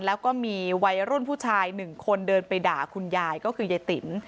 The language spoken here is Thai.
แล้วก็มีวัยรุ่นผู้ชาย๑คนเดินไปด่าคุณยายก็คือยายติ๋ม